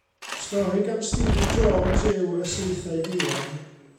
Stori gan Stephen Jones yw Y Saethau Duon.